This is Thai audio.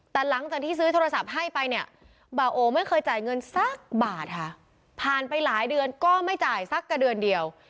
แต่หลังจากที่ซื้อโทรศัพท์ให้ไปเนี่ยบ่าโอไม่เคยจ่ายเงินสักบาทค่ะผ่านไปหลายเดือนก็ไม่จ่ายสักกระเดือนเดียว